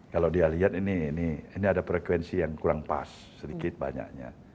kalau dia lihat ini ada frekuensi yang kurang pas sedikit banyaknya